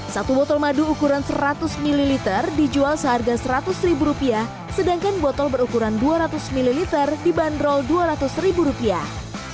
satu botol madu ukuran seratus ml dijual seharga seratus ribu rupiah sedangkan botol berukuran dua ratus ml dibanderol dua ratus ribu rupiah